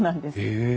へえ。